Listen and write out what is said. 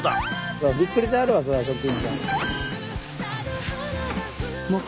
そらびっくりしはるわ職員さん。